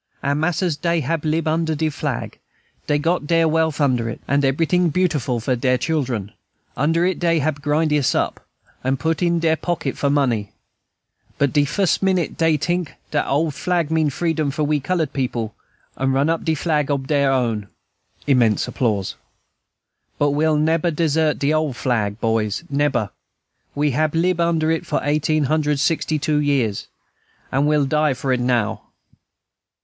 "Our mas'rs dey hab lib under de flag, dey got dere wealth under it, and ebryting beautiful for dere chilen. Under it dey hab grind us up, and put us in dere pocket for money. But de fus' minute dey tink dat ole flag mean freedom for we colored people, dey pull it right down, and run up de rag ob dere own." (Immense applause). "But we'll neber desert de ole flag, boys, neber; we hab lib under it for eighteen hundred sixty two years, and we'll die for it now."